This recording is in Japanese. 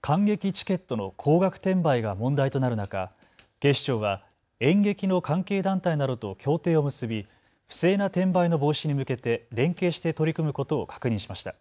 観劇チケットの高額転売が問題となる中、警視庁は演劇の関係団体などと協定を結び不正な転売の防止に向けて連携して取り組むことを確認しました。